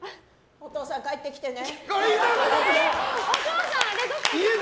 お父さん、帰ってきてね。